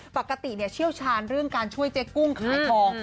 เชี่ยวชาญเรื่องการช่วยเจ๊กุ้งขายทอง